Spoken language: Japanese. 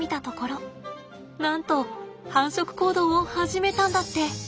なんと繁殖行動を始めたんだって。